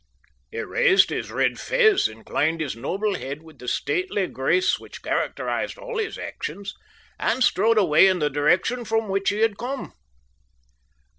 He raised his red fez, inclined his noble head with the stately grace which characterised all his actions, and strode away in the direction from which he had come.